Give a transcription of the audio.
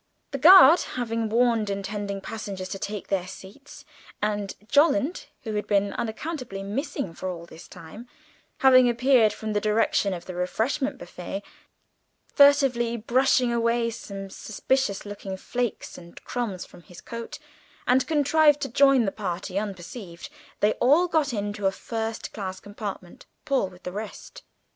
The guard having warned intending passengers to take their seats, and Jolland, who had been unaccountably missing all this time, having appeared from the direction of the refreshment buffet, furtively brushing away some suspicious looking flakes and crumbs from his coat, and contrived to join the party unperceived, they all got into a first class compartment Paul with the rest.